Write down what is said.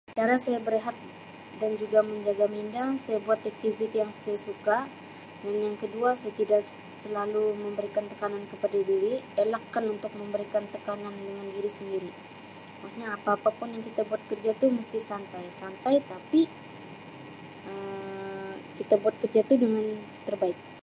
Cara saya berehat dan juga menjaga minda saya buat aktiviti yang saya suka dan yang kedua saya tidak s-selalu memberikan tekanan kepada diri. Elakkan untuk memberikan tekanan dengan diri sendiri. Maksudnya apa-apapun yang kita buat kerja tu mesti santai. Santai tapi Um kita buat kerja tu dengan terbaik.